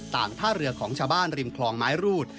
ท่าเรือของชาวบ้านริมคลองไม้รูด